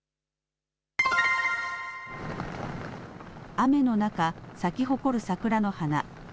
雨の中、咲き誇る桜の花。